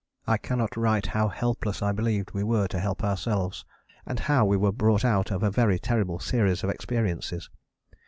I cannot write how helpless I believed we were to help ourselves, and how we were brought out of a very terrible series of experiences.